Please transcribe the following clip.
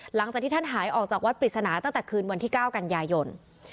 หลังจากที่ท่านหายออกจากวัดปริศนาตั้งแต่คืนวันที่๙กันยายน